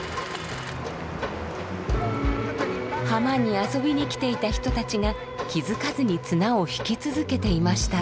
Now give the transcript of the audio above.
浜に遊びに来ていた人たちが気付かずに綱を引き続けていました。